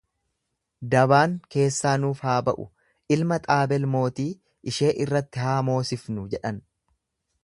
Dabaan keessaa nuuf haa ba'u, ilma Xaabel mootii ishee irratti haa moosifnu jedhan.